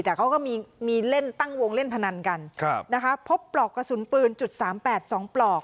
แต่เขาก็มีมีเล่นตั้งวงเล่นพนันกันครับนะคะพบปลอกกระสุนปืนจุดสามแปดสองปลอก